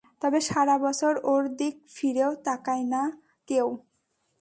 তবে সারাবছর ওর দিক ফিরেও তাকায় না কেউ।